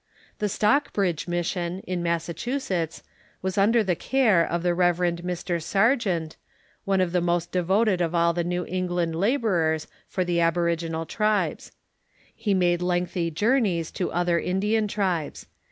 The Stockbridge Mission, in Massachusetts, was under the care of the Rev. Mr. Sargeant, one of the most devoted of all the New England laborers for the aboriginal tribes. lie made lengthy journeys to other Indian tribes.